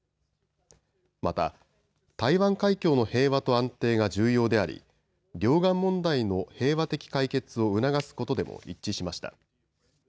また、台湾海峡の平和と安定が重要であり両岸問題の平和的解決を促すことでも一致しました。